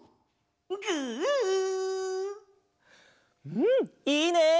うんいいね！